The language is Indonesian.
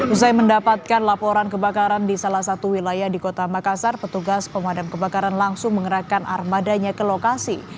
usai mendapatkan laporan kebakaran di salah satu wilayah di kota makassar petugas pemadam kebakaran langsung mengerahkan armadanya ke lokasi